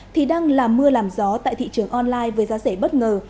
thì đang là mưa làm gió tại thị trường online với giá rẻ bất ngờ